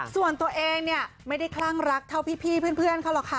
ส่วนตัวเองเนี่ยไม่ได้คลั่งรักเท่าพี่เพื่อนเขาหรอกค่ะ